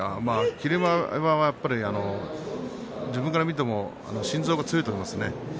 霧馬山は自分から見ても心臓が強いと思いますね。